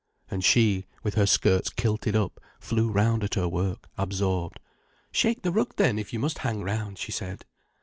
And she, with her skirts kilted up, flew round at her work, absorbed. "Shake the rug then, if you must hang round," she said.